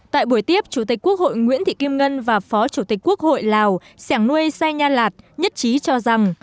tại buổi tiếp chủ tịch quốc hội nguyễn thị kim ngân và phó chủ tịch quốc hội lào sẻng nuôi sai nhan lạt nhất trí cho rằng